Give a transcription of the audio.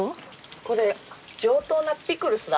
これ上等なピクルスだ。